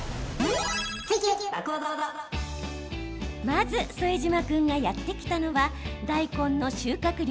まず副島君がやって来たのは大根の収穫量